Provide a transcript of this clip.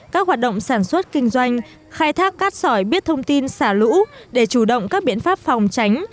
các hoạt động sản xuất kinh doanh khai thác cát sỏi biết thông tin xả lũ để chủ động các biện pháp phòng tránh